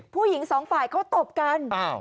ผู้หญิงสองฝ่ายเขาตบกัน